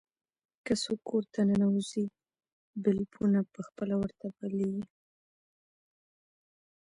که څوک کور ته ننوځي، بلپونه په خپله ورته بلېږي.